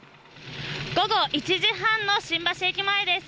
午後１時半の新橋駅前です。